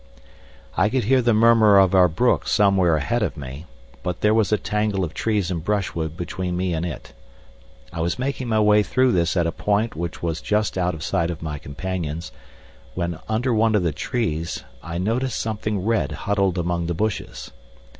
I could hear the murmur of our brook somewhere ahead of me, but there was a tangle of trees and brushwood between me and it. I was making my way through this at a point which was just out of sight of my companions, when, under one of the trees, I noticed something red huddled among the bushes.